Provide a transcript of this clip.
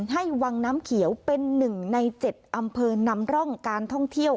ให้วังน้ำเขียวเป็น๑ใน๗อำเภอนำร่องการท่องเที่ยว